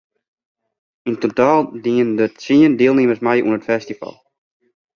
Yn totaal diene der tsien dielnimmers mei oan it festival.